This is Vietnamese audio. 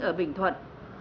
ở bình thuận